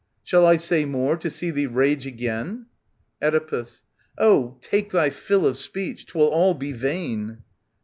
Shall I say more, to see thee rage again ? Oedipus. Oh, take thy fill of speech : 'twill all be vain.